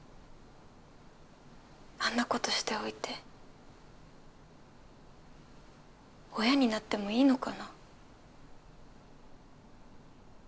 あんなことしておいて親になってもいいのかな？